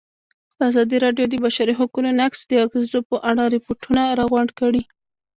ازادي راډیو د د بشري حقونو نقض د اغېزو په اړه ریپوټونه راغونډ کړي.